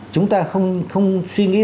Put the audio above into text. chúng ta không suy nghĩ